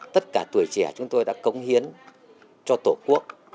tất cả tuổi trẻ chúng tôi đã cống hiến cho tổ quốc